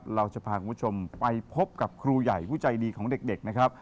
เราจะพาคุณผู้ชมไปพบกับครูใหญ่ผู้ใจดีของเด็กนะครับ